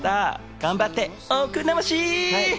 頑張っておくんなまし！